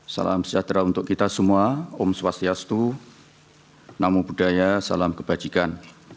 salam sejahtera untuk kita semua om swastiastu namo buddhaya salam kebajikan